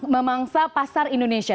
memangsa pasar indonesia